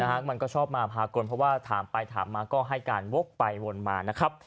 มันก็ชอบมาพากลเพราะว่าถามไปถามมาก็ให้การวกไปวนมานะครับ